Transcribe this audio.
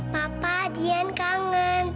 papa dian kangen